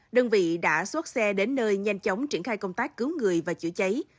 đơn vị đã xuất xe đến nơi nhanh chóng triển khai công tác cứu người và chữa cháy